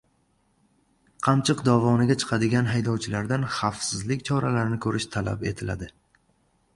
Qamchiq dovoniga chiqadigan haydovchilardan xavfsizlik choralarini ko‘rish talab etiladi